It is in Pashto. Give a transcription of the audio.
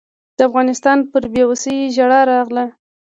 د افغانستان پر بېوسۍ ژړا راغله.